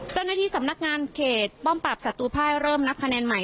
เจ้าหน้าที่สำนักงานเขตป้อมปรับศัตรูภายเริ่มนับคะแนนใหม่